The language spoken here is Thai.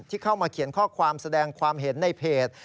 เข้ามาเขียนข้อความแสดงความเห็นในเพจ